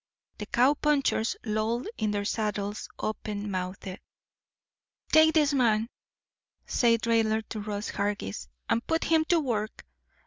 The cow punchers lolled in their saddles, open mouthed. "Take this man," said Raidler to Ross Hargis, "and put him to work.